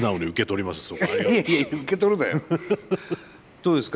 どうですか？